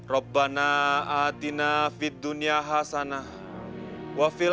tuhan kami berdoa untuk dunia yang baik